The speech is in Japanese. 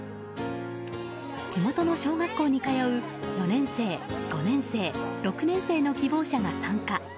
地元の小学校に通う４年生、５年生、６年生の希望者が参加。